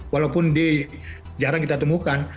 walaupun jarang kita temukan